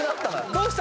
どうした？